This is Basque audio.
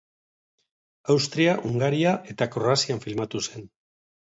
Austria, Hungaria eta Kroazian filmatu zen.